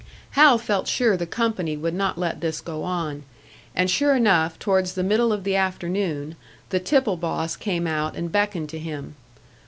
Hal felt sure the company would not let this go on. And sure enough, towards the middle of the afternoon, the tipple boss came out and beckoned to him.